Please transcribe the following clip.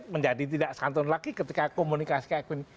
menjadi tidak santun lagi ketika komunikasi kayak gini